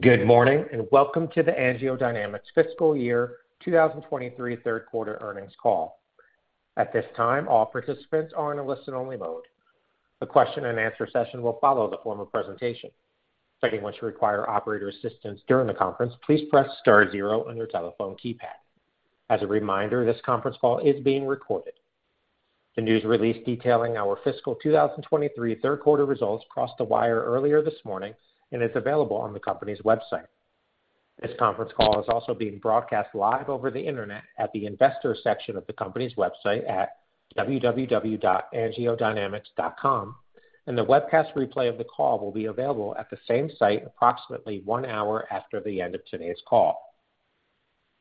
Good morning, and welcome to the AngioDynamics Fiscal Year 2023 third quarter earnings call. At this time, all participants are in a listen-only mode. A question and answer session will follow the formal presentation. If anyone should require operator assistance during the conference, please press star zero on your telephone keypad. As a reminder, this conference call is being recorded. The news release detailing our fiscal 2023 third quarter results crossed the wire earlier this morning and is available on the company's website. This conference call is also being broadcast live over the internet at the investor section of the company's website at www.angiodynamics.com, and the webcast replay of the call will be available at the same site approximately one hour after the end of today's call.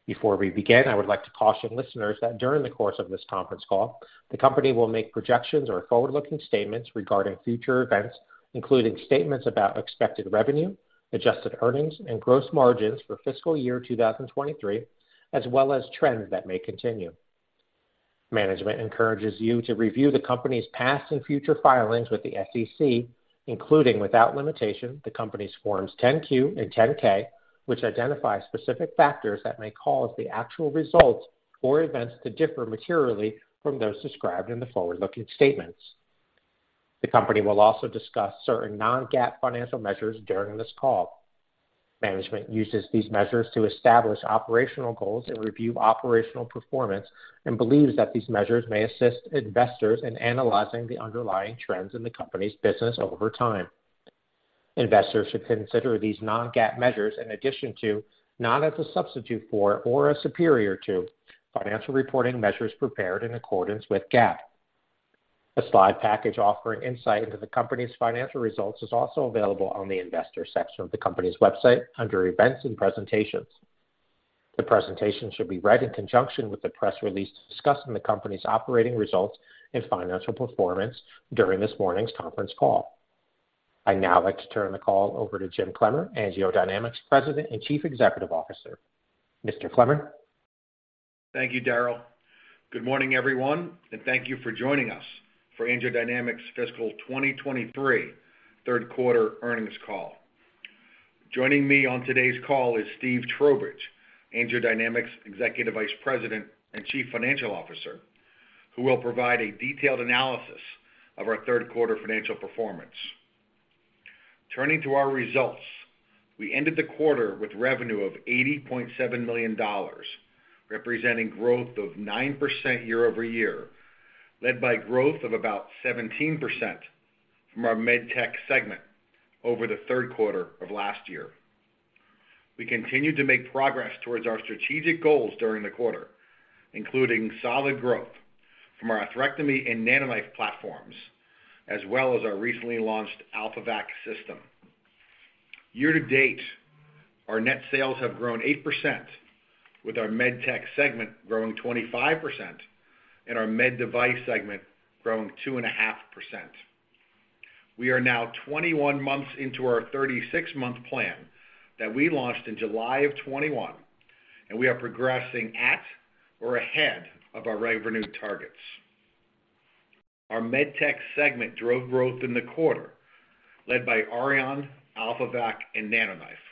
Before we begin, I would like to caution listeners that during the course of this conference call, the company will make projections or forward-looking statements regarding future events, including statements about expected revenue, adjusted earnings, and gross margins for fiscal year 2023, as well as trends that may continue. Management encourages you to review the company's past and future filings with the SEC, including, without limitation, the company's Forms 10-Q and 10-K, which identify specific factors that may cause the actual results or events to differ materially from those described in the forward-looking statements. The company will also discuss certain non-GAAP financial measures during this call. Management uses these measures to establish operational goals and review operational performance and believes that these measures may assist investors in analyzing the underlying trends in the company's business over time. Investors should consider these non-GAAP measures in addition to, not as a substitute for or a superior to, financial reporting measures prepared in accordance with GAAP. A slide package offering insight into the company's financial results is also available on the investor section of the company's website under Events and Presentations. The presentation should be read in conjunction with the press release discussing the company's operating results and financial performance during this morning's conference call. I'd now like to turn the call over to Jim Clemmer, AngioDynamics President and Chief Executive Officer. Mr. Clemmer? Thank you, Darrell. Good morning, everyone, and thank you for joining us for AngioDynamics' fiscal 2023 third quarter earnings call. Joining me on today's call is Steve Trowbridge, AngioDynamics' Executive Vice President and Chief Financial Officer, who will provide a detailed analysis of our third quarter financial performance. Turning to our results, we ended the quarter with revenue of $80.7 million, representing growth of 9% year-over-year, led by growth of about 17% from our MedTech segment over the third quarter of last year. We continued to make progress towards our strategic goals during the quarter, including solid growth from our atherectomy and NanoKnife platforms, as well as our recently launched AlphaVac system. Year-to-date, our net sales have grown 8%, with our MedTech segment growing 25% and our MedDevice segment growing 2.5%. We are now 21 months into our 36-month plan that we launched in July of 2021. We are progressing at or ahead of our revenue targets. Our MedTech segment drove growth in the quarter led by Auryon, AlphaVac, and NanoKnife.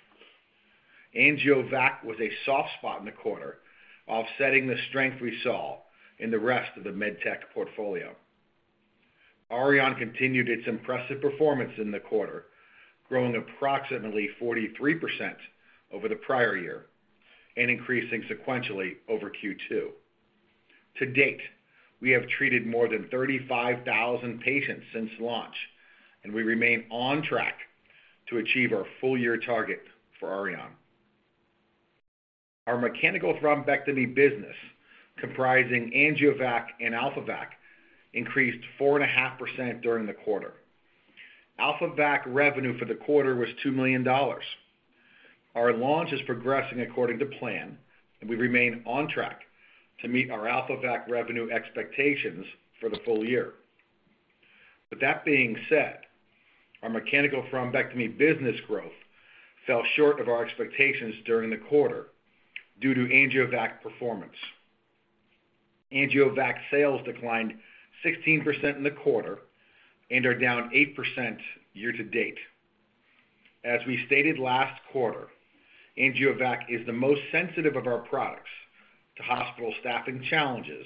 AngioVac was a soft spot in the quarter, offsetting the strength we saw in the rest of the MedTech portfolio. Auryon continued its impressive performance in the quarter, growing approximately 43% over the prior year and increasing sequentially over Q2. To date, we have treated more than 35,000 patients since launch. We remain on track to achieve our full year target for Auryon. Our mechanical thrombectomy business, comprising AngioVac and AlphaVac, increased 4.5% during the quarter. AlphaVac revenue for the quarter was $2 million. Our launch is progressing according to plan, and we remain on track to meet our AlphaVac revenue expectations for the full year. With that being said, our mechanical thrombectomy business growth fell short of our expectations during the quarter due to AngioVac performance. AngioVac sales declined 16% in the quarter and are down 8% year to date. As we stated last quarter, AngioVac is the most sensitive of our products to hospital staffing challenges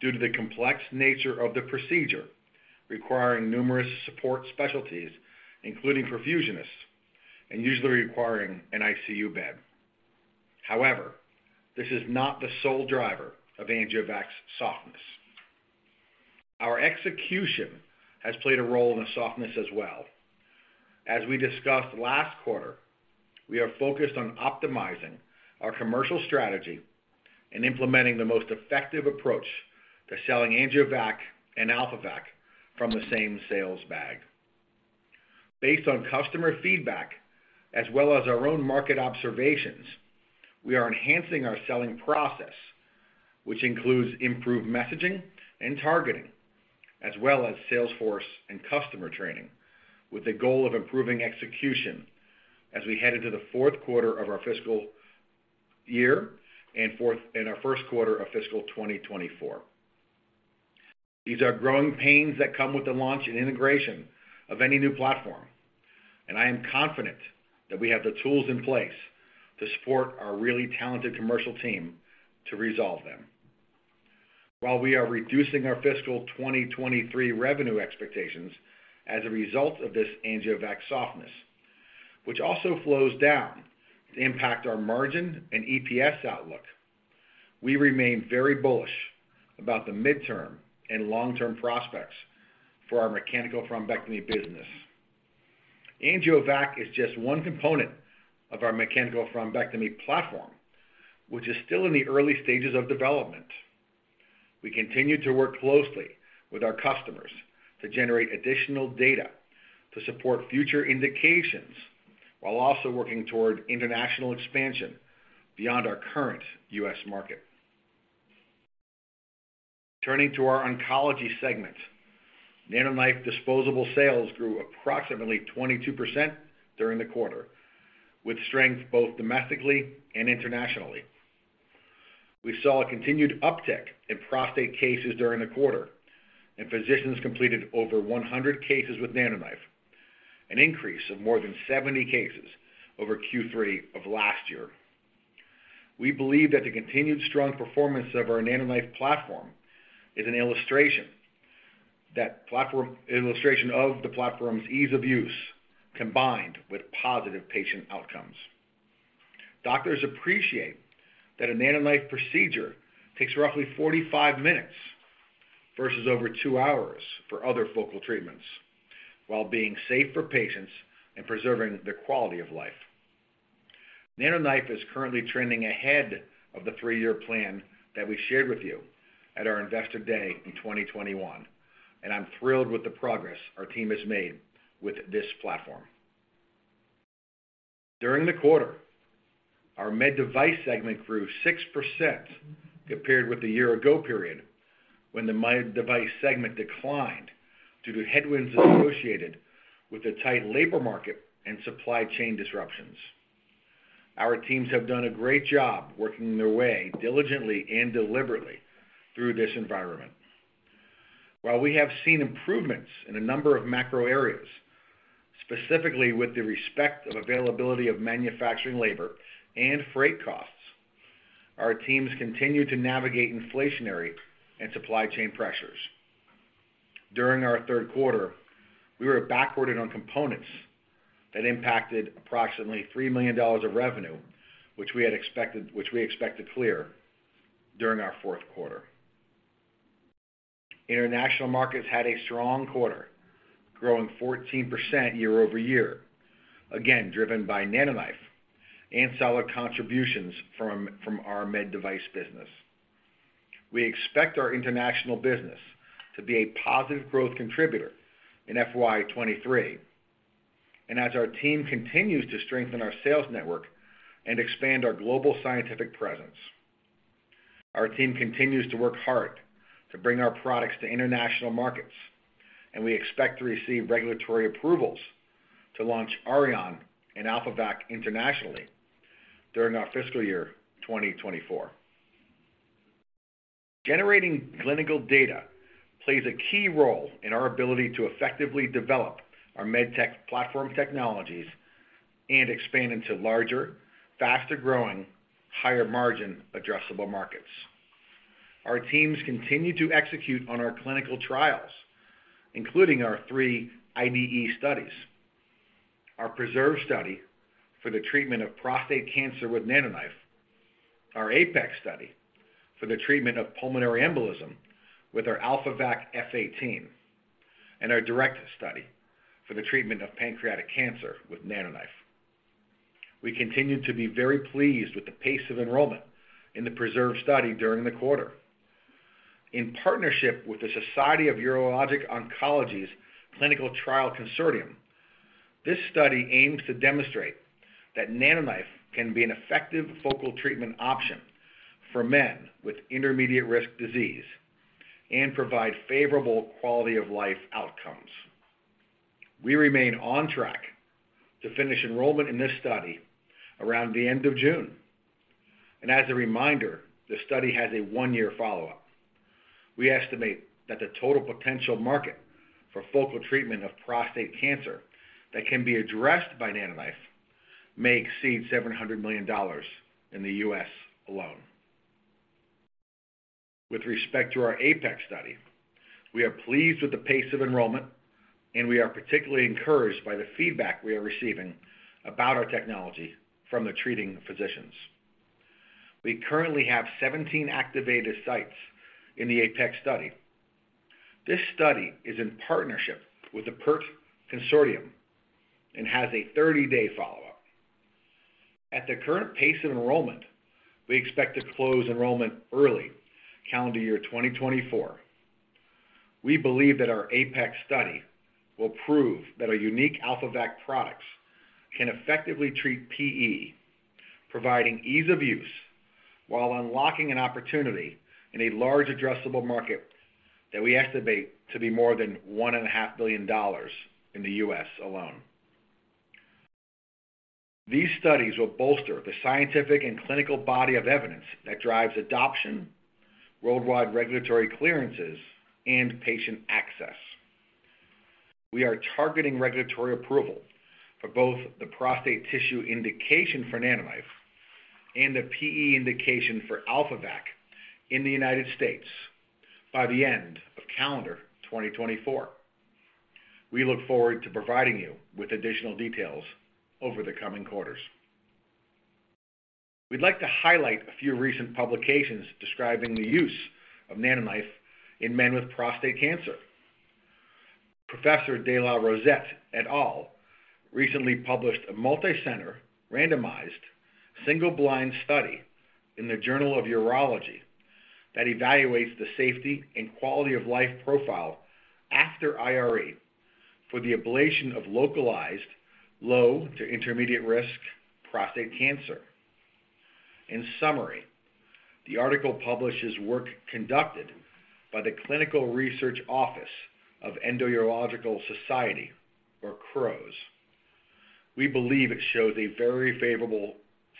due to the complex nature of the procedure requiring numerous support specialties, including perfusionists and usually requiring an ICU bed. However, this is not the sole driver of AngioVac's softness. Our execution has played a role in the softness as well. As we discussed last quarter, we are focused on optimizing our commercial strategy and implementing the most effective approach to selling AngioVac and AlphaVac from the same sales bag. Based on customer feedback as well as our own market observations, we are enhancing our selling process, which includes improved messaging and targeting, as well as sales force and customer training, with the goal of improving execution as we head into the fourth quarter of our fiscal year and our first quarter of fiscal 2024. These are growing pains that come with the launch and integration of any new platform, and I am confident that we have the tools in place to support our really talented commercial team to resolve them. While we are reducing our fiscal 2023 revenue expectations as a result of this AngioVac softness, which also flows down to impact our margin and EPS outlook, we remain very bullish about the midterm and long-term prospects for our mechanical thrombectomy business. AngioVac is just one component of our mechanical thrombectomy platform, which is still in the early stages of development. We continue to work closely with our customers to generate additional data to support future indications while also working toward international expansion beyond our current U.S. market. Turning to our oncology segment, NanoKnife disposable sales grew approximately 22% during the quarter, with strength both domestically and internationally. We saw a continued uptick in prostate cases during the quarter, and physicians completed over 100 cases with NanoKnife, an increase of more than 70 cases over Q3 of last year. We believe that the continued strong performance of our NanoKnife platform is an illustration of the platform's ease of use combined with positive patient outcomes. Doctors appreciate that a NanoKnife procedure takes roughly 45 minutes versus over two hours for other focal treatments while being safe for patients and preserving their quality of life. NanoKnife is currently trending ahead of the three-year plan that we shared with you at our Investor Day in 2021, and I'm thrilled with the progress our team has made with this platform. During the quarter, our MedDevice segment grew 6% compared with the year-ago period when the MedDevice segment declined due to headwinds associated with the tight labor market and supply chain disruptions. Our teams have done a great job working their way diligently and deliberately through this environment. While we have seen improvements in a number of macro areas, specifically with the respect of availability of manufacturing labor and freight costs, our teams continue to navigate inflationary and supply chain pressures. During our third quarter, we were backordered on components that impacted approximately $3 million of revenue, which we expect to clear during our fourth quarter. International markets had a strong quarter, growing 14% year-over-year, again, driven by NanoKnife and solid contributions from our MedDevice business. We expect our international business to be a positive growth contributor in FY 2023. As our team continues to strengthen our sales network and expand our global scientific presence. Our team continues to work hard to bring our products to international markets, and we expect to receive regulatory approvals to launch Auryon and AlphaVac internationally during our fiscal year 2024. Generating clinical data plays a key role in our ability to effectively develop our MedTech platform technologies and expand into larger, faster-growing, higher-margin addressable markets. Our teams continue to execute on our clinical trials, including our three IDE studies. Our PRESERVE study for the treatment of prostate cancer with NanoKnife, our APEX study for the treatment of pulmonary embolism with our AlphaVac F18, and our DIRECT study for the treatment of pancreatic cancer with NanoKnife. We continue to be very pleased with the pace of enrollment in the PRESERVE study during the quarter. In partnership with the Society of Urologic Oncology's Clinical Trial Consortium, this study aims to demonstrate that NanoKnife can be an effective focal treatment option for men with intermediate risk disease and provide favorable quality of life outcomes. We remain on track to finish enrollment in this study around the end of June. As a reminder, the study has a one-year follow-up. We estimate that the total potential market for focal treatment of prostate cancer that can be addressed by NanoKnife may exceed $700 million in the U.S. alone. With respect to our APEX study, we are pleased with the pace of enrollment, and we are particularly encouraged by the feedback we are receiving about our technology from the treating physicians. We currently have 17 activated sites in the APEX study. This study is in partnership with The PERT Consortium and has a 30-day follow-up. At the current pace of enrollment, we expect to close enrollment early calendar year 2024. We believe that our APEX study will prove that our unique AlphaVac products can effectively treat PE, providing ease of use while unlocking an opportunity in a large addressable market that we estimate to be more than $1.5 billion in the U.S. alone. These studies will bolster the scientific and clinical body of evidence that drives adoption, worldwide regulatory clearances, and patient access. We are targeting regulatory approval for both the prostate tissue indication for NanoKnife and a PE indication for AlphaVac in the United States by the end of calendar 2024. We look forward to providing you with additional details over the coming quarters. We'd like to highlight a few recent publications describing the use of NanoKnife in men with prostate cancer. Professor De La Rosette et al. recently published a multicenter randomized single-blind study in The Journal of Urology that evaluates the safety and quality of life profile after IRE for the ablation of localized low to intermediate risk prostate cancer. In summary, the article publishes work conducted by the Clinical Research Office of the Endourological Society, or CROES. We believe it shows a very favorable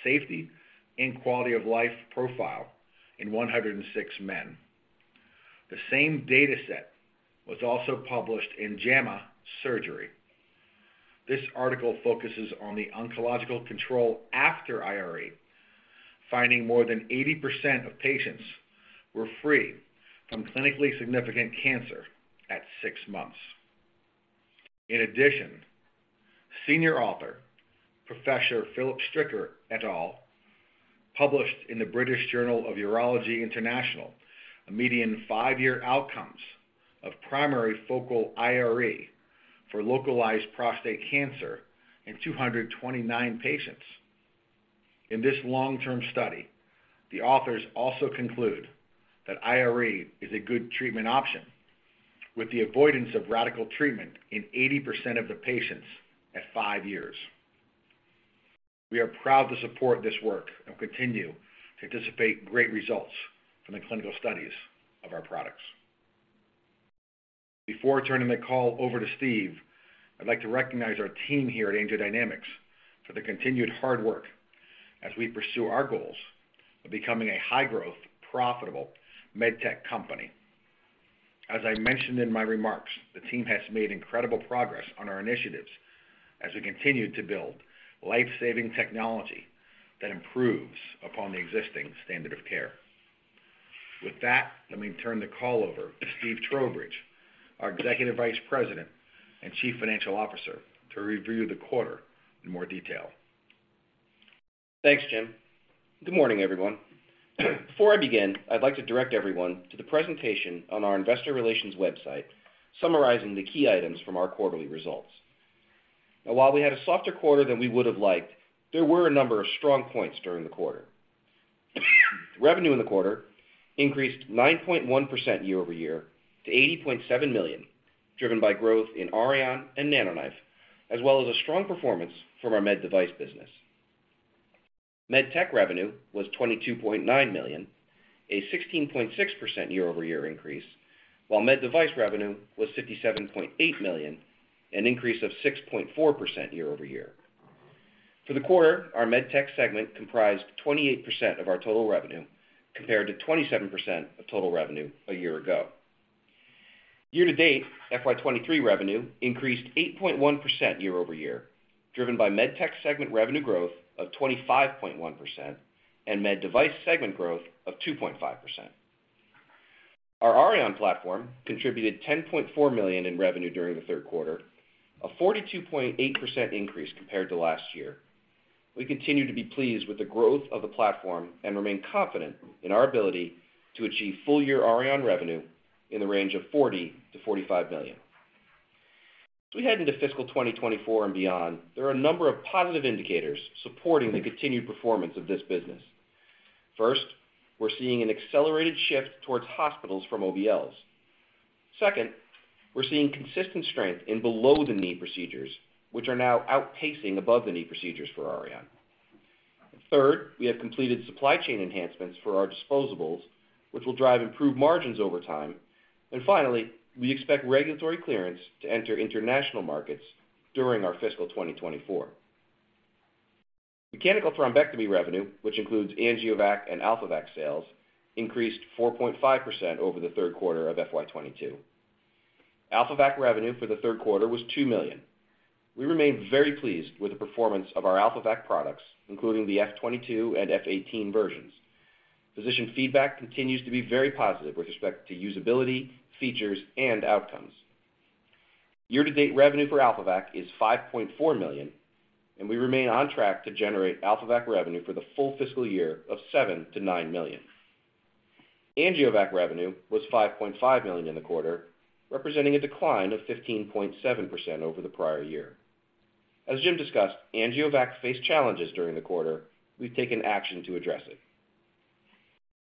safety and quality of life profile in 106 men. The same data set was also published in JAMA Surgery. This article focuses on the oncological control after IRE, finding more than 80% of patients were free from clinically significant cancer at six months. In addition, senior author Professor Phillip Stricker et al. published in the British Journal of Urology International a median 5-year outcomes of primary focal IRE for localized prostate cancer in 229 patients. In this long-term study, the authors also conclude that IRE is a good treatment option, with the avoidance of radical treatment in 80% of the patients at five years. We are proud to support this work and continue to anticipate great results from the clinical studies of our products. Turning the call over to Steve, I'd like to recognize our team here at AngioDynamics for their continued hard work as we pursue our goals of becoming a high-growth, profitable med tech company. As I mentioned in my remarks, the team has made incredible progress on our initiatives as we continue to build life-saving technology that improves upon the existing standard of care. Let me turn the call over to Steve Trowbridge, our Executive Vice President and Chief Financial Officer, to review the quarter in more detail. Thanks, Jim. Good morning, everyone. Before I begin, I'd like to direct everyone to the presentation on our investor relations website summarizing the key items from our quarterly results. While we had a softer quarter than we would have liked, there were a number of strong points during the quarter. Revenue in the quarter increased 9.1% year-over-year to $80.7 million, driven by growth in Auryon and NanoKnife, as well as a strong performance from our MedDevice business. MedTech revenue was $22.9 million, a 16.6% year-over-year increase, while MedDevice revenue was $57.8 million, an increase of 6.4% year-over-year. For the quarter, our MedTech segment comprised 28% of our total revenue, compared to 27% of total revenue a year ago. Year to date, FY 2023 revenue increased 8.1% year-over-year, driven by MedTech segment revenue growth of 25.1% and MedDevice segment growth of 2.5%. Our Auryon platform contributed $10.4 million in revenue during the third quarter, a 42.8% increase compared to last year. We continue to be pleased with the growth of the platform and remain confident in our ability to achieve full year Auryon revenue in the range of $40 million-$45 million. As we head into fiscal 2024 and beyond, there are a number of positive indicators supporting the continued performance of this business. First, we're seeing an accelerated shift towards hospitals from OBLs. Second, we're seeing consistent strength in below-the-knee procedures, which are now outpacing above-the-knee procedures for Auryon. Third, we have completed supply chain enhancements for our disposables, which will drive improved margins over time. Finally, we expect regulatory clearance to enter international markets during our fiscal 2024. Mechanical thrombectomy revenue, which includes AngioVac and AlphaVac sales, increased 4.5% over the third quarter of FY 2022. AlphaVac revenue for the third quarter was $2 million. We remain very pleased with the performance of our AlphaVac products, including the F22 and F18 versions. Physician feedback continues to be very positive with respect to usability, features, and outcomes. Year to date revenue for AlphaVac is $5.4 million, and we remain on track to generate AlphaVac revenue for the full fiscal year of $7 million-$9 million. AngioVac revenue was $5.5 million in the quarter, representing a decline of 15.7% over the prior year. As Jim discussed, AngioVac faced challenges during the quarter. We've taken action to address it.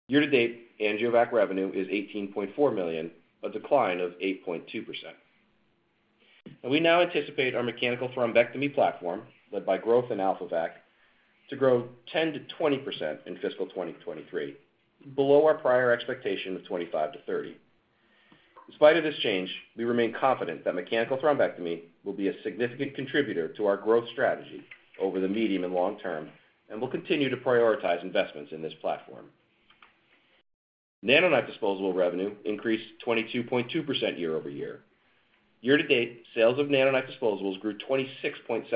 Year to date, AngioVac revenue is $18.4 million, a decline of 8.2%. We now anticipate our mechanical thrombectomy platform, led by growth in AlphaVac, to grow 10%-20% in fiscal 2023, below our prior expectation of 25%-30%. In spite of this change, we remain confident that mechanical thrombectomy will be a significant contributor to our growth strategy over the medium and long term and will continue to prioritize investments in this platform. NanoKnife disposable revenue increased 22.2% year-over-year. Year-to-date, sales of NanoKnife disposables grew 26.7%.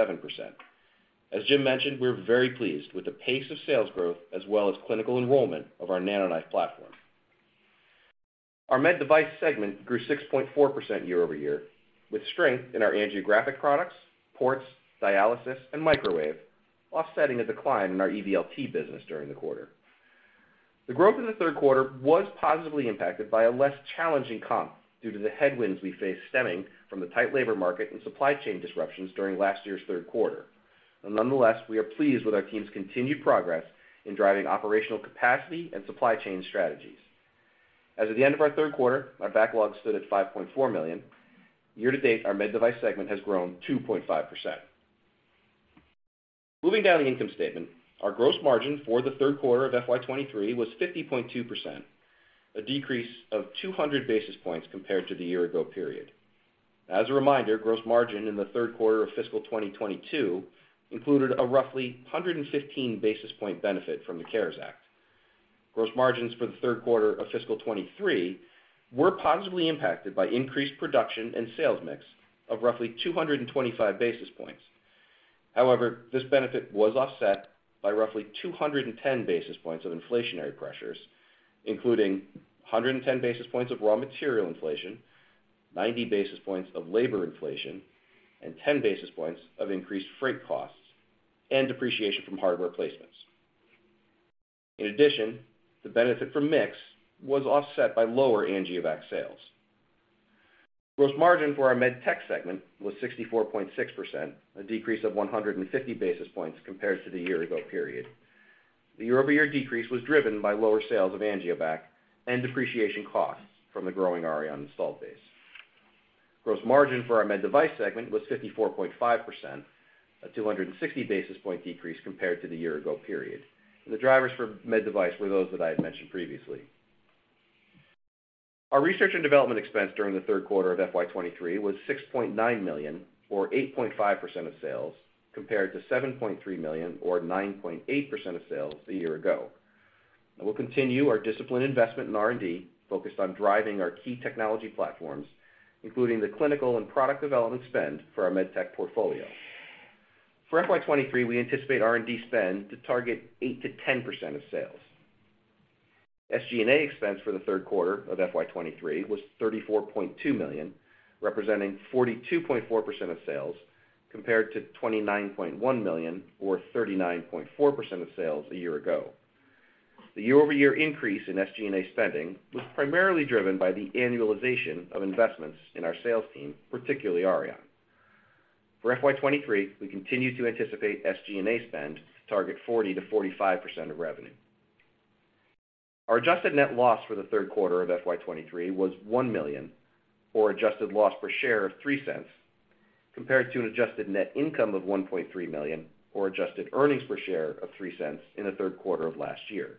As Jim mentioned, we're very pleased with the pace of sales growth as well as clinical enrollment of our NanoKnife platform. Our MedDevice segment grew 6.4% year-over-year, with strength in our angiographic products, Ports, Dialysis, and microwave, offsetting a decline in our EVLT business during the quarter. The growth in the third quarter was positively impacted by a less challenging comp due to the headwinds we faced stemming from the tight labor market and supply chain disruptions during last year's third quarter. Nonetheless, we are pleased with our team's continued progress in driving operational capacity and supply chain strategies. As of the end of our third quarter, our backlog stood at $5.4 million. Year to date, our MedDevice segment has grown 2.5%. Moving down the income statement, our gross margin for the third quarter of FY 2023 was 50.2%, a decrease of 200 basis points compared to the year ago period. As a reminder, gross margin in the third quarter of fiscal 2022 included a roughly 115 basis point benefit from the CARES Act. Gross margins for the 3rd quarter of fiscal 2023 were positively impacted by increased production and sales mix of roughly 225 basis points. This benefit was offset by roughly 210 basis points of inflationary pressures, including 110 basis points of raw material inflation, 90 basis points of labor inflation, and 10 basis points of increased freight costs and depreciation from hardware placements. The benefit from mix was offset by lower AngioVac sales. Gross margin for our MedTech segment was 64.6%, a decrease of 150 basis points compared to the year-ago period. The year-over-year decrease was driven by lower sales of AngioVac and depreciation costs from the growing Auryon installed base. Gross margin for our MedDevice segment was 54.5%, a 260 basis point decrease compared to the year ago period. The drivers for MedDevice were those that I had mentioned previously. Our R&D expense during the third quarter of FY23 was $6.9 million or 8.5% of sales, compared to $7.3 million or 9.8% of sales a year ago. We'll continue our disciplined investment in R&D focused on driving our key technology platforms, including the clinical and product development spend for our MedTech portfolio. For FY23, we anticipate R&D spend to target 8%-10% of sales. SG&A expense for the third quarter of FY 2023 was $34.2 million, representing 42.4% of sales, compared to $29.1 million or 39.4% of sales a year ago. The year-over-year increase in SG&A spending was primarily driven by the annualization of investments in our sales team, particularly Auryon. For FY 2023, we continue to anticipate SG&A spend to target 40%-45% of revenue. Our adjusted net loss for the third quarter of FY 2023 was $1 million or adjusted loss per share of $0.03, compared to an adjusted net income of $1.3 million or adjusted earnings per share of $0.03 in the third quarter of last year.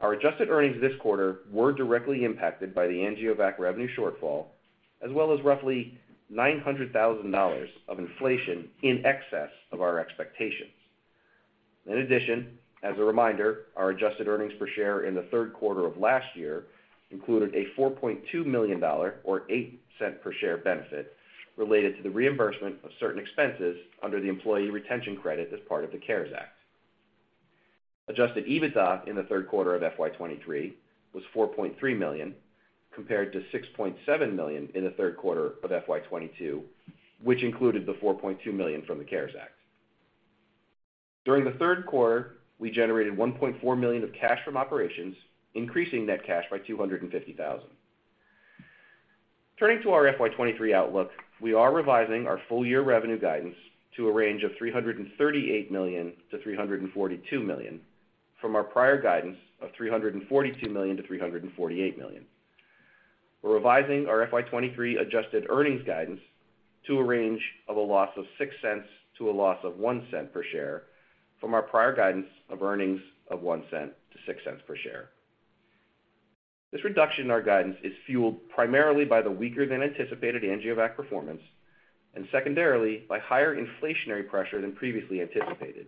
Our adjusted earnings this quarter were directly impacted by the AngioVac revenue shortfall, as well as roughly $900,000 of inflation in excess of our expectations. As a reminder, our adjusted earnings per share in the third quarter of last year included a $4.2 million or $0.08 per share benefit related to the reimbursement of certain expenses under the Employee Retention Credit as part of the CARES Act. Adjusted EBITDA in the third quarter of FY 2023 was $4.3 million, compared to $6.7 million in the third quarter of FY 2022, which included the $4.2 million from the CARES Act. During the third quarter, we generated $1.4 million of cash from operations, increasing net cash by $250,000. Turning to our FY23 outlook, we are revising our full year revenue guidance to a range of $338 million-$342 million from our prior guidance of $342 million-$348 million. We're revising our FY23 adjusted earnings guidance to a range of a loss of $0.06 to a loss of $0.01 per share from our prior guidance of earnings of $0.01-$0.06 per share. This reduction in our guidance is fueled primarily by the weaker than anticipated AngioVac performance and secondarily by higher inflationary pressure than previously anticipated.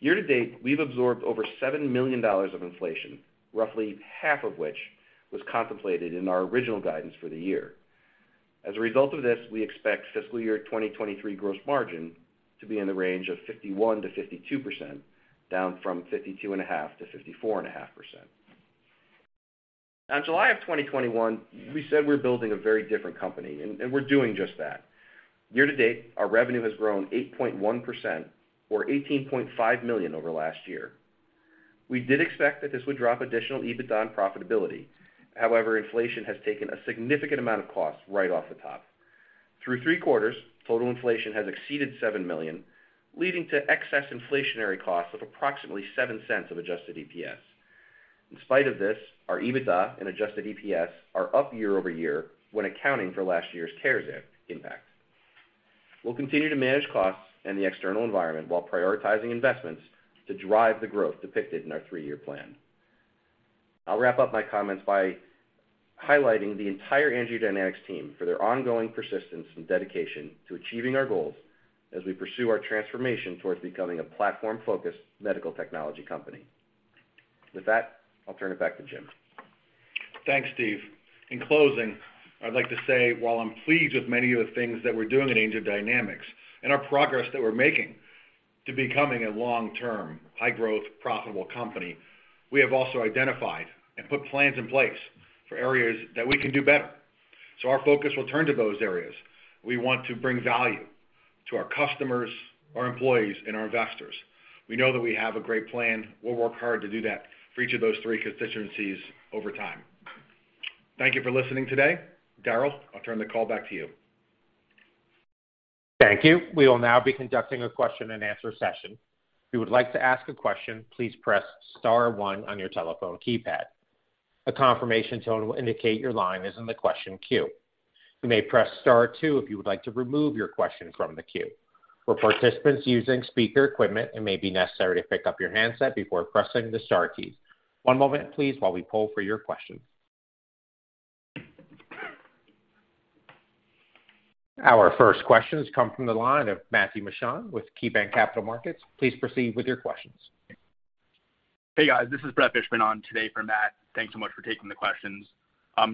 Year to date, we've absorbed over $7 million of inflation, roughly half of which was contemplated in our original guidance for the year. As a result of this, we expect fiscal year 2023 gross margin to be in the range of 51%-52%, down from 52.5%-54.5%. On July 2021, we said we're building a very different company, we're doing just that. Year to date, our revenue has grown 8.1% or $18.5 million over last year. We did expect that this would drop additional EBITDA and profitability. However, inflation has taken a significant amount of cost right off the top. Through three quarters, total inflation has exceeded $7 million, leading to excess inflationary costs of approximately $0.07 of adjusted EPS. In spite of this, our EBITDA and adjusted EPS are up year-over-year when accounting for last year's CARES Act impact. We'll continue to manage costs and the external environment while prioritizing investments to drive the growth depicted in our three-year plan. I'll wrap up my comments by highlighting the entire AngioDynamics team for their ongoing persistence and dedication to achieving our goals as we pursue our transformation towards becoming a platform-focused medical technology company. With that, I'll turn it back to Jim. Thanks, Steve. In closing, I'd like to say, while I'm pleased with many of the things that we're doing at AngioDynamics and our progress that we're making to becoming a long-term, high-growth, profitable company, we have also identified and put plans in place for areas that we can do better. Our focus will turn to those areas. We want to bring value to our customers, our employees, and our investors. We know that we have a great plan. We'll work hard to do that for each of those three constituencies over time. Thank you for listening today. Darrell, I'll turn the call back to you. Thank you. We will now be conducting a question-and-answer session. If you would like to ask a question, please press star one on your telephone keypad. A confirmation tone will indicate your line is in the question queue. You may press star two if you would like to remove your question from the queue. For participants using speaker equipment, it may be necessary to pick up your handset before pressing the star keys. One moment, please, while we poll for your questions. Our first question has come from the line of Matthew Mishan with KeyBanc Capital Markets. Please proceed with your questions. Hey, guys. This is Brett Fishman on today for Matt. Thanks so much for taking the questions.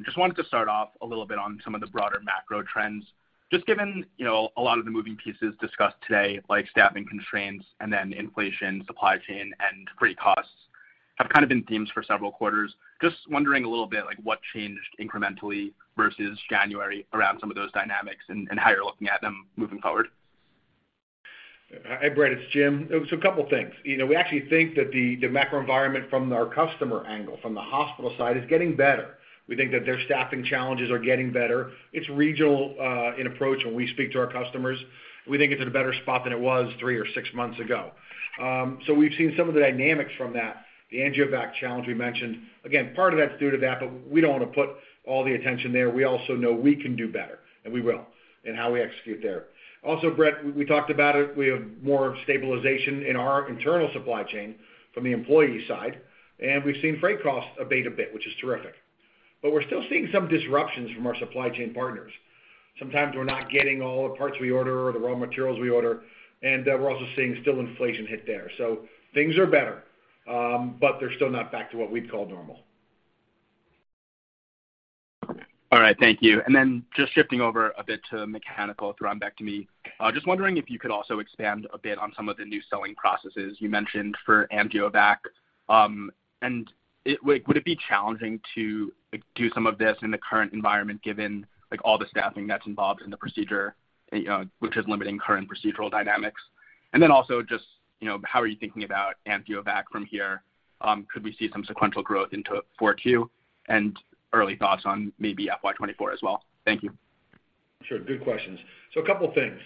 Just wanted to start off a little bit on some of the broader macro trends. Just given, you know, a lot of the moving pieces discussed today, like staffing constraints and then inflation, supply chain, and freight costs have kind of been themes for several quarters. Just wondering a little bit like what changed incrementally versus January around some of those dynamics and how you're looking at them moving forward. Hi, Brett. It's Jim. A couple things. You know, we actually think that the macro environment from our customer angle, from the hospital side, is getting better. We think that their staffing challenges are getting better. It's regional in approach when we speak to our customers. We think it's in a better spot than it was three or six months ago. We've seen some of the dynamics from that. The AngioVac challenge we mentioned, again, part of that's due to that, but we don't want to put all the attention there. We also know we can do better, and we will, in how we execute there. Brett, we talked about it, we have more stabilization in our internal supply chain from the employee side, and we've seen freight costs abate a bit, which is terrific. We're still seeing some disruptions from our supply chain partners. Sometimes we're not getting all the parts we order or the raw materials we order, and we're also seeing still inflation hit there. Things are better, but they're still not back to what we'd call normal. All right. Thank you. Just shifting over a bit to mechanical thrombectomy. Just wondering if you could also expand a bit on some of the new selling processes you mentioned for AngioVac. Like, would it be challenging to, like, do some of this in the current environment, given, like, all the staffing that's involved in the procedure, you know, which is limiting current procedural dynamics? Also just, you know, how are you thinking about AngioVac from here? Could we see some sequential growth into 4Q and early thoughts on maybe FY 2024 as well? Thank you. Sure. Good questions. A couple things.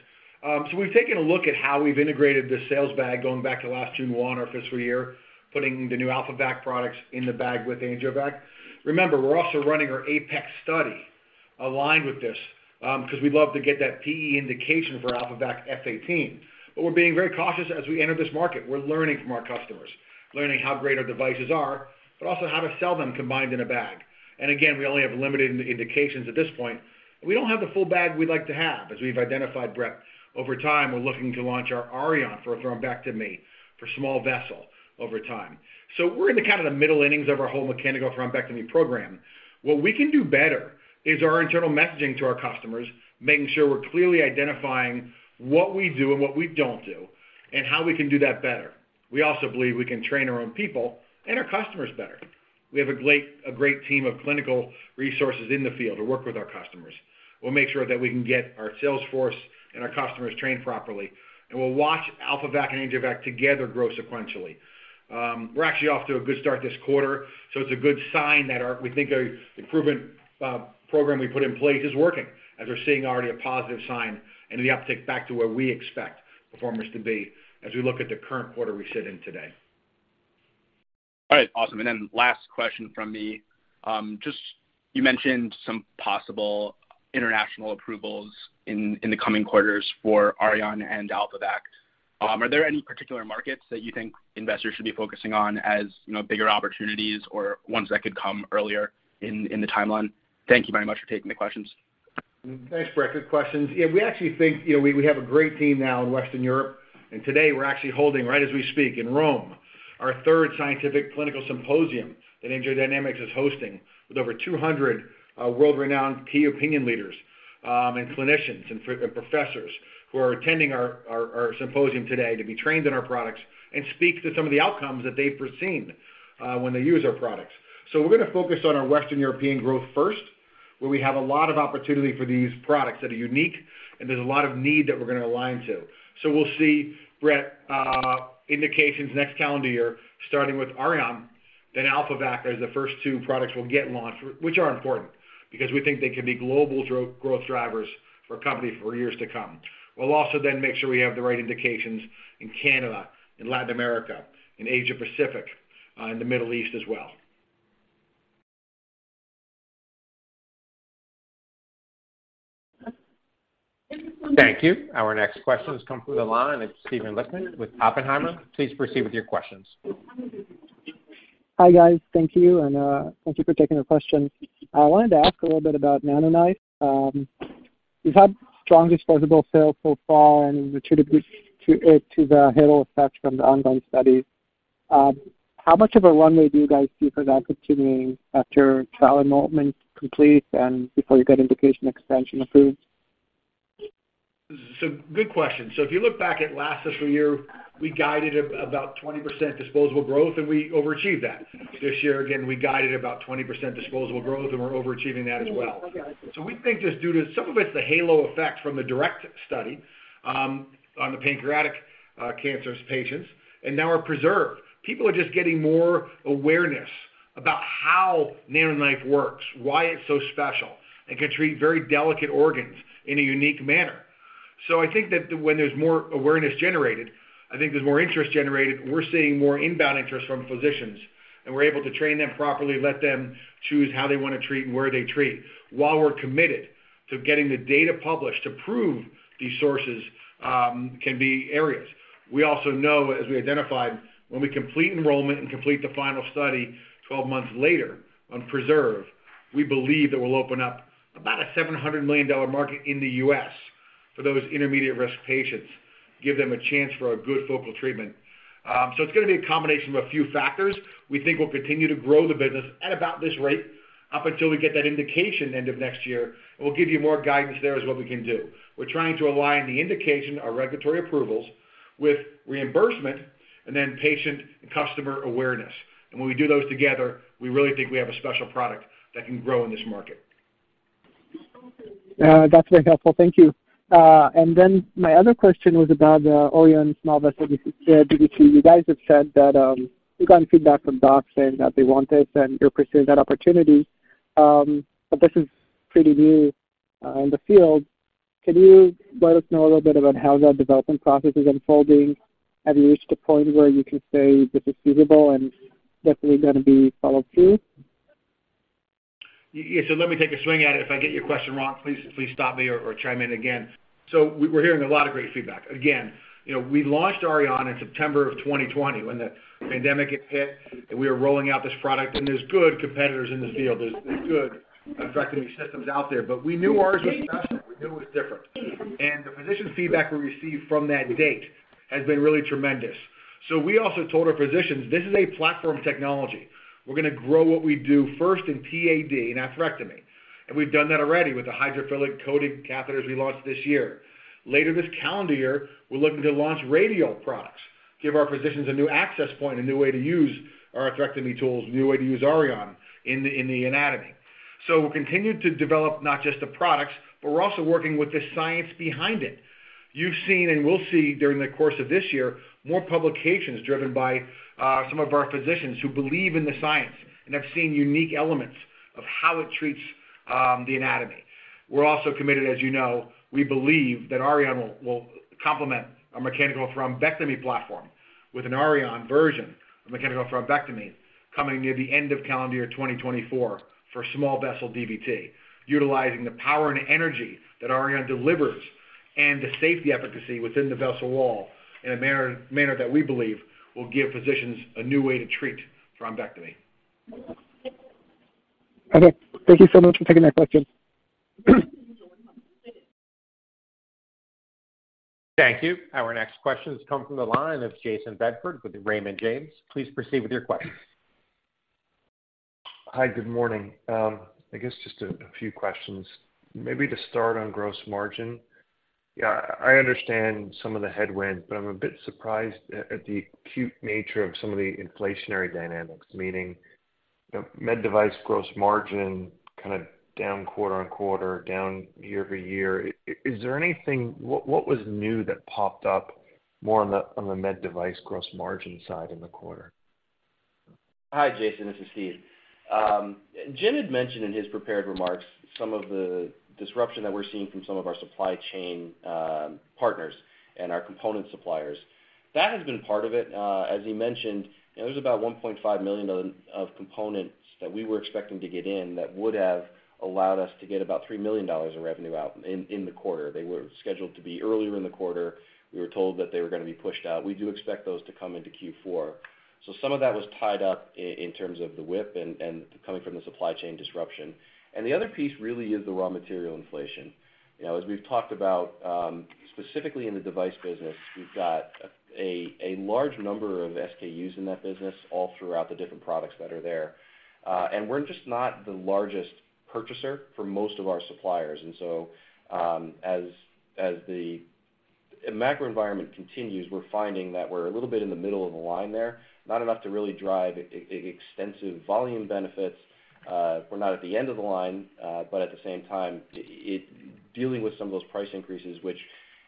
We've taken a look at how we've integrated the sales bag going back to last June 1 our fiscal year, putting the new AlphaVac products in the bag with AngioVac. Remember, we're also running our APEX study aligned with this, because we'd love to get that PE indication for AlphaVac F18. We're being very cautious as we enter this market. We're learning from our customers, learning how great our devices are, but also how to sell them combined in a bag. Again, we only have limited indications at this point. We don't have the full bag we'd like to have, as we've identified, Brett. Over time, we're looking to launch our Auryon for thrombectomy for small vessel over time. We're in the kind of the middle innings of our whole mechanical thrombectomy program. What we can do better is our internal messaging to our customers, making sure we're clearly identifying what we do and what we don't do and how we can do that better. We also believe we can train our own people and our customers better. We have a great team of clinical resources in the field who work with our customers. We'll make sure that we can get our sales force and our customers trained properly, and we'll watch AlphaVac and AngioVac together grow sequentially. We're actually off to a good start this quarter, so it's a good sign that we think our improvement program we put in place is working, as we're seeing already a positive sign and the uptick back to where we expect performance to be as we look at the current quarter we sit in today. All right. Awesome. Last question from me. Just you mentioned some possible international approvals in the coming quarters for Auryon and AlphaVac. Are there any particular markets that you think investors should be focusing on as, you know, bigger opportunities or ones that could come earlier in the timeline? Thank you very much for taking the questions. Thanks, Brett. Good questions. Yeah, we actually think, you know, we have a great team now in Western Europe, today we're actually holding, right as we speak, in Rome, our third scientific clinical symposium that AngioDynamics is hosting with over 200 world-renowned key opinion leaders, and clinicians and professors who are attending our symposium today to be trained in our products and speak to some of the outcomes that they've foreseen when they use our products. We're gonna focus on our Western European growth first, where we have a lot of opportunity for these products that are unique and there's a lot of need that we're gonna align to. We'll see, Brett, indications next calendar year, starting with Auryon, then AlphaVac as the first two products we'll get launched, which are important because we think they can be global growth drivers for company for years to come. We'll also make sure we have the right indications in Canada, in Latin America, in Asia Pacific, in the Middle East as well. Thank you. Our next question has come through the line of Steven Lichtman with Oppenheimer & Co.. Please proceed with your questions. Hi, guys. Thank you, and thank you for taking the question. I wanted to ask a little bit about NanoKnife. You've had strong disposable sales so far and attributable to the halo effect from the ongoing study. How much of a runway do you guys see for that continuing after trial enrollment completes and before you get indication expansion approved? Good question. If you look back at last fiscal year, we guided about 20% disposable growth, and we overachieved that. This year, again, we guided about 20% disposable growth, and we're overachieving that as well. We think it's due to some of it's the halo effect from the DIRECT study on the pancreatic cancerous patients and now are PRESERVE. People are just getting more awareness about how NanoKnife works, why it's so special, and can treat very delicate organs in a unique manner. I think that when there's more awareness generated, I think there's more interest generated. We're seeing more inbound interest from physicians, and we're able to train them properly, let them choose how they want to treat and where they treat while we're committed to getting the data published to prove these sources can be areas. We also know as we identified, when we complete enrollment and complete the final study 12 months later on PRESERVE, we believe that we'll open up about a $700 million market in the U.S. for those intermediate-risk patients, give them a chance for a good focal treatment. It's going to be a combination of a few factors. We think we'll continue to grow the business at about this rate up until we get that indication end of next year, and we'll give you more guidance there as what we can do. We're trying to align the indication, our regulatory approvals with reimbursement and then patient and customer awareness. When we do those together, we really think we have a special product that can grow in this market. That's very helpful. Thank you. My other question was about Auryon small vessel DVT. You guys have said that you've gotten feedback from docs saying that they want this and you're pursuing that opportunity. This is pretty new in the field. Can you let us know a little bit about how that development process is unfolding? Have you reached a point where you can say this is feasible and definitely going to be followed through? Yeah. Let me take a swing at it. If I get your question wrong, please stop me or chime in again. We're hearing a lot of great feedback. Again, you know, we launched Auryon in September of 2020 when the pandemic had hit, and we were rolling out this product. There's good competitors in the field. There's good atherectomy systems out there, but we knew ours was special. We knew it was different. The physician feedback we received from that date has been really tremendous. We also told our physicians this is a platform technology. We're going to grow what we do first in PAD and atherectomy. We've done that already with the hydrophilic-coated catheters we launched this year. Later this calendar year, we're looking to launch radial products, give our physicians a new access point, a new way to use our atherectomy tools, a new way to use Auryon in the anatomy. We'll continue to develop not just the products, but we're also working with the science behind it. You've seen and will see during the course of this year, more publications driven by some of our physicians who believe in the science and have seen unique elements of how it treats the anatomy. We're also committed, as you know, we believe that Auryon will complement a mechanical thrombectomy platform with an Auryon version of mechanical thrombectomy coming near the end of calendar year 2024 for small vessel DVT, utilizing the power and energy that Auryon delivers and the safety efficacy within the vessel wall in a manner that we believe will give physicians a new way to treat thrombectomy. Okay. Thank you so much for taking my questions. Thank you. Our next question has come from the line of Jayson Bedford with Raymond James. Please proceed with your questions. Hi. Good morning. I guess just a few questions. Maybe to start on gross margin. Yeah, I understand some of the headwinds, I'm a bit surprised at the acute nature of some of the inflationary dynamics, meaning, you know, MedDevice gross margin kind of down quarter-over-quarter, down year-over-year. What was new that popped up more on the MedDevice gross margin side in the quarter? Hi, Jayson. This is Steve. Jim had mentioned in his prepared remarks some of the disruption that we're seeing from some of our supply chain partners and our component suppliers. That has been part of it. As he mentioned, you know, there's about $1.5 million of components that we were expecting to get in that would have allowed us to get about $3 million of revenue out in the quarter. They were scheduled to be earlier in the quarter. We were told that they were going to be pushed out. We do expect those to come into Q4. Some of that was tied up in terms of the whip and coming from the supply chain disruption. The other piece really is the raw material inflation. You know, as we've talked about, specifically in the device business, we've got a large number of SKUs in that business all throughout the different products that are there. We're just not the largest purchaser for most of our suppliers. As the macro environment continues, we're finding that we're a little bit in the middle of the line there, not enough to really drive extensive volume benefits. We're not at the end of the line, but at the same time, dealing with some of those price increases, which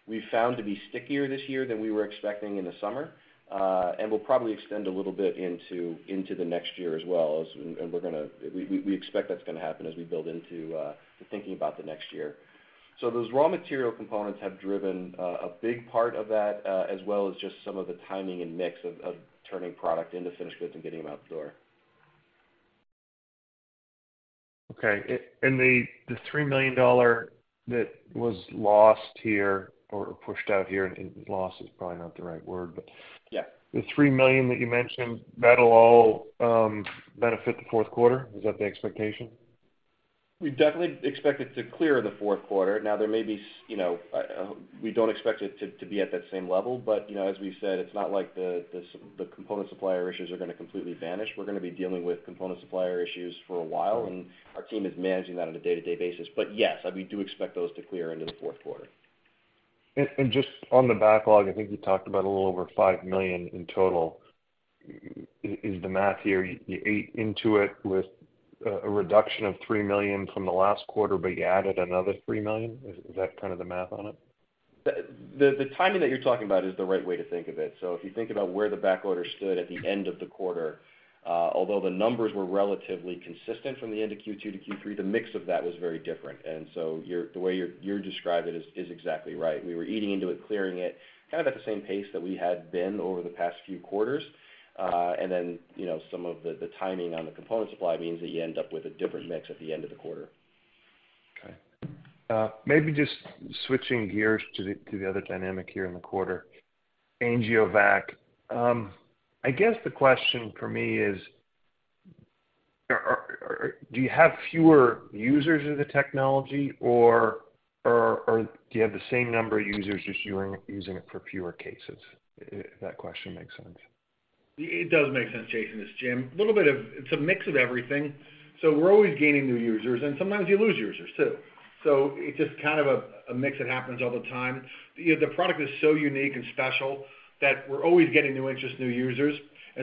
we found to be stickier this year than we were expecting in the summer, and will probably extend a little bit into the next year as well as we're going to... We expect that's going to happen as we build into to thinking about the next year. Those raw material components have driven a big part of that as well as just some of the timing and mix of turning product into finished goods and getting them out the door. Okay. The $3 million that was lost here or pushed out here, and loss is probably not the right word, but. Yeah... the $3 million that you mentioned, that'll all benefit the fourth quarter? Is that the expectation? We definitely expect it to clear the fourth quarter. There may be you know, we don't expect it to be at that same level. You know, as we said, it's not like the component supplier issues are gonna completely vanish. We're gonna be dealing with component supplier issues for a while, and our team is managing that on a day-to-day basis. Yes, I mean, we do expect those to clear into the fourth quarter. Just on the backlog, I think you talked about a little over $5 million in total. Is the math here you ate into it with a reduction of $3 million from the last quarter, but you added another $3 million? Is that kind of the math on it? The timing that you're talking about is the right way to think of it. If you think about where the backorder stood at the end of the quarter, although the numbers were relatively consistent from the end of Q2 to Q3, the mix of that was very different. The way you're describing it is exactly right. We were eating into it, clearing it kind of at the same pace that we had been over the past few quarters. you know, some of the timing on the component supply means that you end up with a different mix at the end of the quarter. Okay. Maybe just switching gears to the other dynamic here in the quarter, AngioVac. I guess the question for me is, are... Do you have fewer users of the technology or do you have the same number of users just using it for fewer cases? If that question makes sense. It does make sense, Jayson. It's Jim. It's a mix of everything. We're always gaining new users, and sometimes you lose users too. It's just kind of a mix that happens all the time. You know, the product is so unique and special that we're always getting new interest, new users.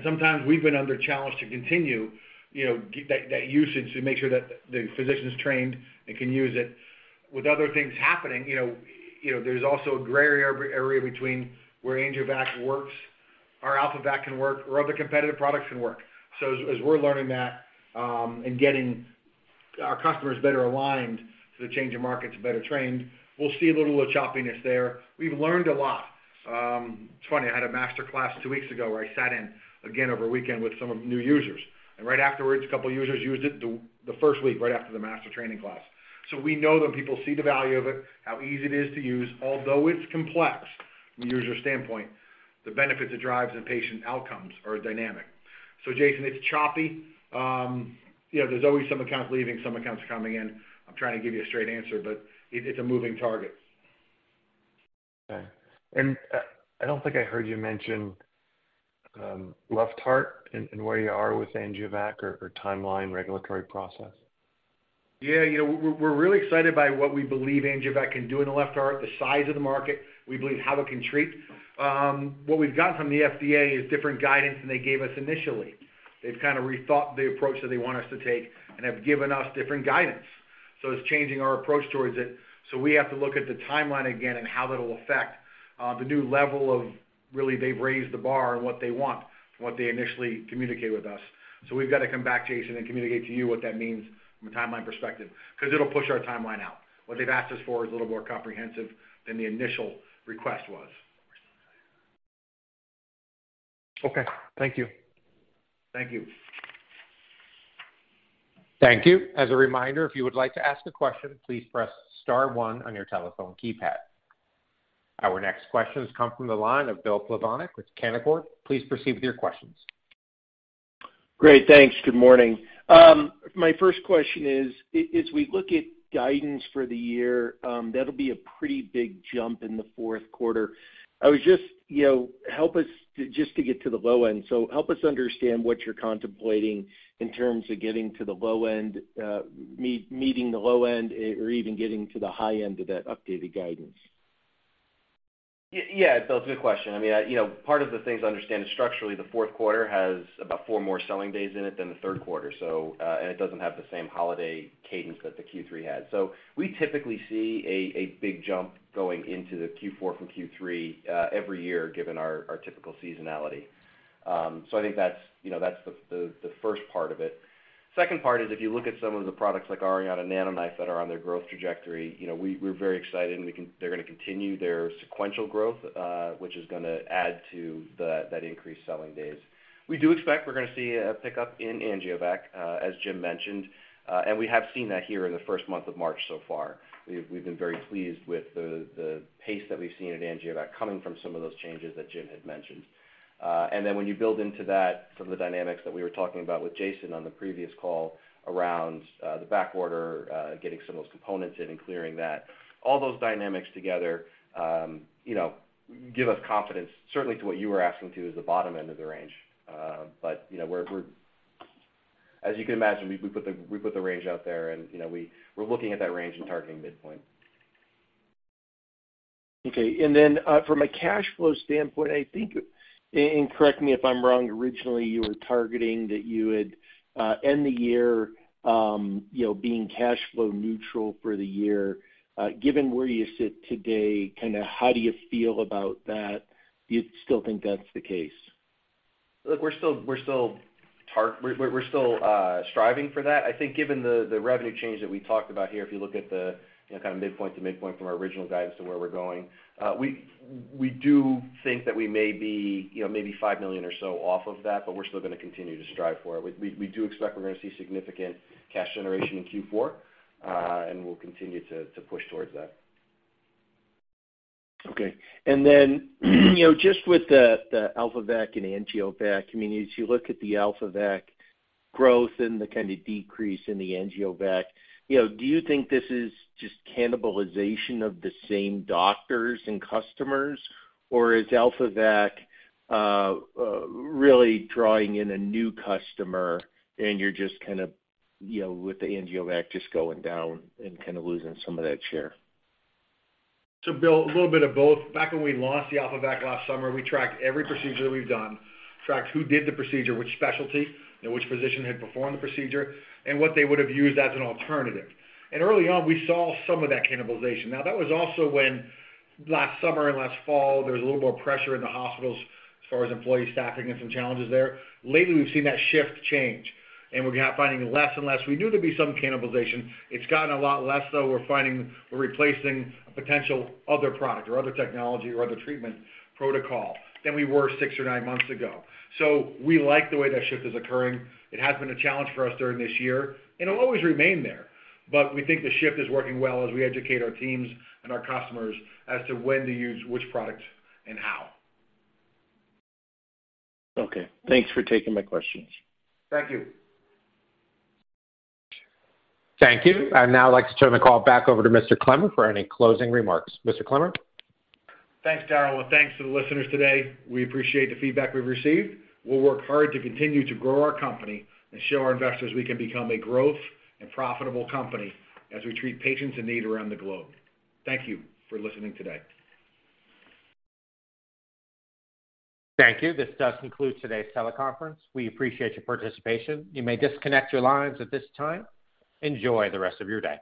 Sometimes we've been under challenge to continue, you know, that usage to make sure that the physician's trained and can use it. With other things happening, you know, there's also a gray area between where AngioVac works or AlphaVac can work or other competitive products can work. As we're learning that, and getting our customers better aligned to the change in markets and better trained, we'll see a little bit of choppiness there. We've learned a lot. It's funny, I had a master class two weeks ago where I sat in again over a weekend with some of new users. Right afterwards, a couple users used it the first week right after the master training class. We know when people see the value of it, how easy it is to use, although it's complex from a user standpoint, the benefits it drives in patient outcomes are dynamic. Jayson, it's choppy. You know, there's always some accounts leaving, some accounts coming in. I'm trying to give you a straight answer, but it's a moving target. Okay. I don't think I heard you mention, left heart and, where you are with AngioVac or, timeline regulatory process? Yeah. You know, we're really excited by what we believe AngioVac can do in the left heart, the size of the market, we believe how it can treat. What we've got from the FDA is different guidance than they gave us initially. They've kind of rethought the approach that they want us to take and have given us different guidance. It's changing our approach towards it. We have to look at the timeline again and how that'll affect the new level of really they've raised the bar on what they want from what they initially communicated with us. We've got to come back, Jayson, and communicate to you what that means from a timeline perspective, because it'll push our timeline out. What they've asked us for is a little more comprehensive than the initial request was. Okay. Thank you. Thank you. Thank you. As a reminder, if you would like to ask a question, please press star 1 on your telephone keypad. Our next question has come from the line of Bill Plovanic with Canaccord. Please proceed with your questions. Great. Thanks. Good morning. My first question is, as we look at guidance for the year, that'll be a pretty big jump in the fourth quarter. You know, help us to, just to get to the low end, so help us understand what you're contemplating in terms of getting to the low end, meeting the low end or even getting to the high end of that updated guidance? Yeah, yeah. Bill, it's a good question. I mean, you know, part of the things to understand is structurally the fourth quarter has about four more selling days in it than the third quarter. And it doesn't have the same holiday cadence that the Q3 had. We typically see a big jump going into the Q4 from Q3 every year given our typical seasonality. I think that's, you know, that's the first part of it. Second part is if you look at some of the products like Auryon and NanoKnife that are on their growth trajectory, you know, we're very excited and they're gonna continue their sequential growth, which is gonna add to that increased selling days. We do expect we're gonna see a pickup in AngioVac as Jim mentioned. We have seen that here in the first month of March so far. We've been very pleased with the pace that we've seen at AngioVac coming from some of those changes that Jim had mentioned. Then when you build into that some of the dynamics that we were talking about with Jayson on the previous call around the backorder, getting some of those components in and clearing that, all those dynamics together, you know, give us confidence certainly to what you were asking to is the bottom end of the range. You know, as you can imagine, we put the range out there and, you know, we're looking at that range and targeting midpoint. Okay. From a cash flow standpoint, I think, and correct me if I'm wrong, originally you were targeting that you would end the year, you know, being cash flow neutral for the year. Given where you sit today, kind of how do you feel about that? Do you still think that's the case? Look, we're still striving for that. I think given the revenue change that we talked about here, if you look at the, you know, kind of midpoint to midpoint from our original guidance to where we're going, we do think that we may be, you know, maybe $5 million or so off of that, but we're still gonna continue to strive for it. We do expect we're gonna see significant cash generation in Q4, we'll continue to push towards that. Okay. you know, just with the AlphaVac and AngioVac, I mean, as you look at the AlphaVac growth and the kind of decrease in the AngioVac, you know, do you think this is just cannibalization of the same doctors and customers? Is AlphaVac really drawing in a new customer and you're just kind of, you know, with the AngioVac just going down and kinda losing some of that share? Bill, a little bit of both. Back when we launched the AlphaVac last summer, we tracked every procedure we've done. Tracked who did the procedure, which specialty, you know, which physician had performed the procedure, and what they would've used as an alternative. Early on, we saw some of that cannibalization. That was also when last summer and last fall, there was a little more pressure in the hospitals as far as employee staffing and some challenges there. Lately, we've seen that shift change, we're now finding less and less. We knew there'd be some cannibalization. It's gotten a lot less, though. We're finding we're replacing a potential other product or other technology or other treatment protocol than we were six or nine months ago. We like the way that shift is occurring. It has been a challenge for us during this year, and it'll always remain there. We think the shift is working well as we educate our teams and our customers as to when to use which product and how. Okay. Thanks for taking my questions. Thank you. Thank you. I'd now like to turn the call back over to Mr. Clemmer for any closing remarks. Mr. Clemmer? Thanks, Darrell. Well, thanks to the listeners today. We appreciate the feedback we've received. We'll work hard to continue to grow our company and show our investors we can become a growth and profitable company as we treat patients in need around the globe. Thank you for listening today. Thank you. This does conclude today's teleconference. We appreciate your participation. You may disconnect your lines at this time. Enjoy the rest of your day.